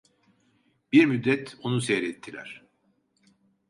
Bir müddet onu seyrettiler.